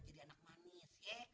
jadi anak manis ye